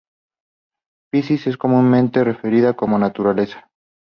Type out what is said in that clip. Physis es comúnmente referida como naturaleza.